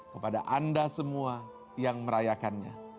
kepada anda semua yang merayakannya